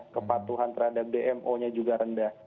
kepatuhan terhadap dmo nya juga rendah